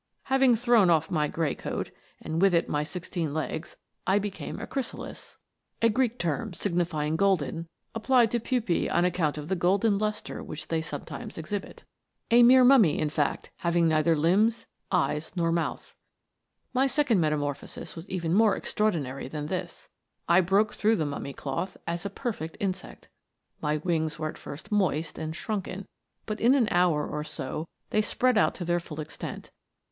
" Having thrown off my grey coat, and with it my sixteen legs, I became a chrysalis* a mere mummy, * A Greek term, signifying golden, applied to pupae on ac count of the golden lustre which they sometimes exhibit. METAMORPHOSES. 145 in fact, having neither limbs, eyes, nor mouth. My second metamorphosis was even more extraordinary than this. I broke through the mummy cloth as a perfect insect. My wings were at first moist and shrunken, but in an hour or so they spread out to their full extent.